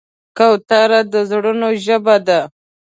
کوتره د زړونو ژبه ده.